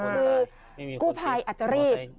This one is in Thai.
คือกู้ภัยอาจจะรีบ